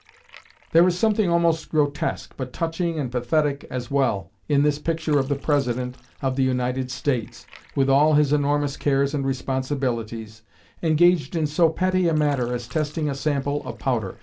There is something almost grotesque, but touching and pathetic as well, in this picture of the President of the United States, with all his enormous cares and responsibilities, engaged in so petty a matter as testing a sample of powder.